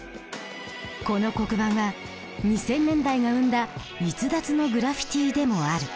この黒板は２０００年代が生んだ逸脱のグラフィティでもある。